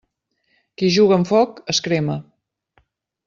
Qui juga amb foc es crema.